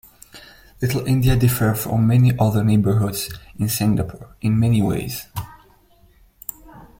Little India differs from many other neighbourhoods in Singapore in many ways.